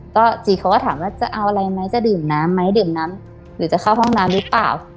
ก็จีเขาก็ถามว่าจะเอาอะไรไหมจะดื่มน้ำไหมดื่มน้ำหรือจะเข้าห้องน้ำหรือเปล่า